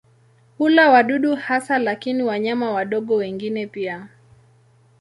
Hula wadudu hasa lakini wanyama wadogo wengine pia.